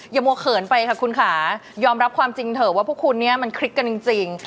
อย่ามัวเขินไปค่ะคุณค่ะยอมรับความจริงเถอะว่าพวกคุณเนี่ยมันคลิกกันจริง